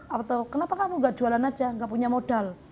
atau kenapa kamu enggak jualan saja enggak punya modal